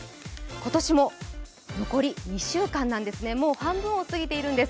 今年も残り２週間なんですね、もう半分を過ぎているんです。